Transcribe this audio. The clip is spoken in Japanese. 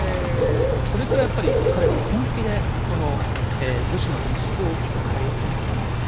それくらいやっぱり彼は本気でこの武士の認識を大きく変えようと思ったんですね。